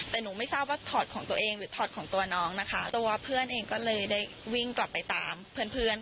แต่หนูไม่ทราบว่าถอดของตัวเองหรือถอดของตัวน้องนะคะตัวเพื่อนเองก็เลยได้วิ่งกลับไปตามเพื่อนเพื่อน